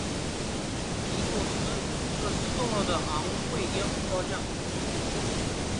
一个失纵了的昴贵鹰雕像。